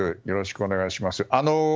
よろしくお願いします。